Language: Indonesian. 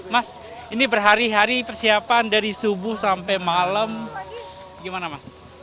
mas ini berhari hari persiapan dari subuh sampai malam gimana mas